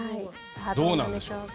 どうなんでしょうか。